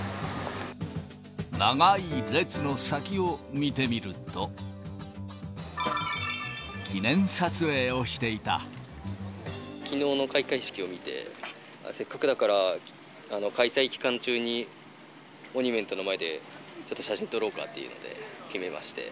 長い列の先を見てみると、きのうの開会式を見て、せっかくだから開催期間中に、モニュメントの前でちょっと写真撮ろうかというので決めまして。